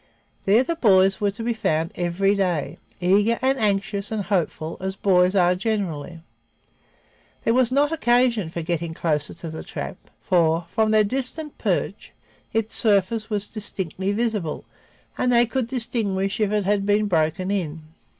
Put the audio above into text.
There the boys were to be found every day, eager and anxious and hopeful as boys are generally. There was not occasion for getting closer to the trap, for, from their distant perch, its surface was distinctly visible and they could distinguish if it had been broken in.